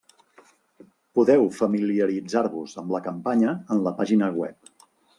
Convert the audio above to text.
Podeu familiaritzar-vos amb la campanya en la pàgina web.